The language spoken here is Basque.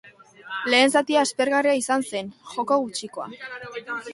Lehen zatia aspergarria izan zen, joko gutxikoa.